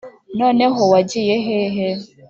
noneho wagiye.hehe